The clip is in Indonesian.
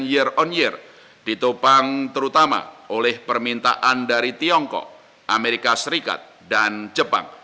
year on year ditopang terutama oleh permintaan dari tiongkok amerika serikat dan jepang